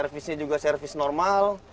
biasanya juga servis normal